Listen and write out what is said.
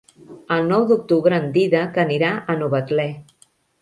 El nou d'octubre en Dídac anirà a Novetlè.